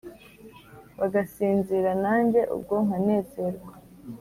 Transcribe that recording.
Bagasinzira nanjye ubwo nkanezerwa